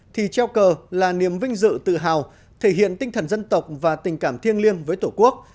thì treo cờ là niềm vinh dự tự hào thể hiện tinh thần dân tộc và tình cảm thiêng liêng với tổ quốc